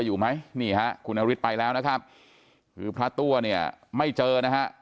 อยู่ไหมนี่ฮะคุณนฤทธิ์ไปแล้วนะครับคือพระตัวเนี่ยไม่เจอนะฮะ